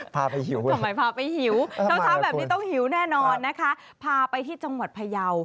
พาไปหิวทำไมพาไปหิวเช้าแบบนี้ต้องหิวแน่นอนนะคะพาไปที่จังหวัดพยาว